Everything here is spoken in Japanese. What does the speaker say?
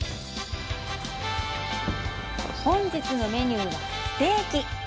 本日のメニューはステーキ。